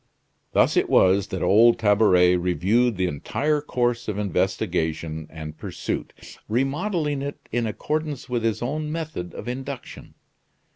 Thus it was that old Tabaret reviewed the entire course of investigation and pursuit, remodeling it in accordance with his own method of induction.